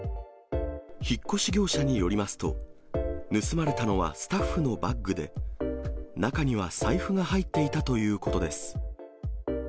引っ越し業者によりますと、盗まれたのはスタッフのバッグで、中には財布が入っていたということです。